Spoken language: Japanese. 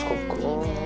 いいね。